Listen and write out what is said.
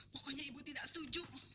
pokoknya ibu tidak setuju